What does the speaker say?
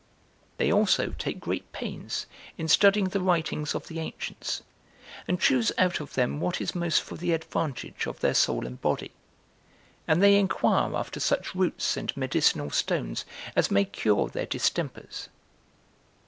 They also take great pains in studying the writings of the ancients, and choose out of them what is most for the advantage of their soul and body; and they inquire after such roots and medicinal stones as may cure their distempers.